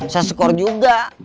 saya sekor juga